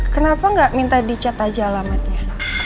kenapa nggak minta dicat aja alamatnya